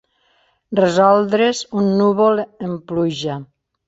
Resoldre's, un núvol, en pluja.